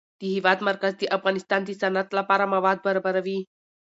د هېواد مرکز د افغانستان د صنعت لپاره مواد برابروي.